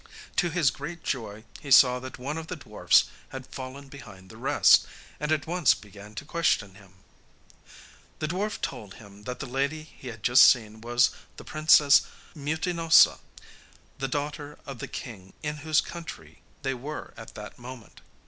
To his great joy he saw that one of the dwarfs had fallen behind the rest, and at once began to question him. The dwarf told him that the lady he had just seen was the Princess Mutinosa, the daughter of the king in whose country they were at that moment.